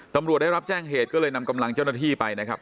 ตำรวจได้รับแจ้งเหตุก็เลยนำกำลังเจ้าหน้าที่ไปนะครับ